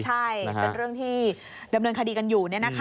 เป็นเรื่องที่ดำเนินคดีอยู่